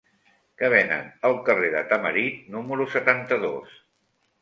Què venen al carrer de Tamarit número setanta-dos?